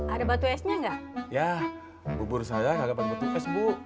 ada batu esnya enggak ya